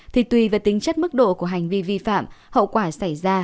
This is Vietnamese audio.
thì tùy về tính chất mức độ của hành vi vi phạm hậu quả xảy ra